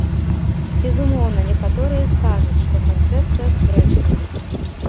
Безумоўна, некаторыя скажуць, што канцэпцыя спрэчная.